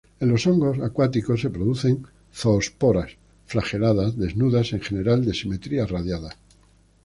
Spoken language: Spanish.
En los hongos acuáticos se producen zoosporas flageladas, desnudas, en general de simetría radiada.